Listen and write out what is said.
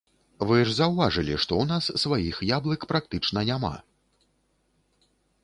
Вы ж заўважылі, што ў нас сваіх яблык практычна няма.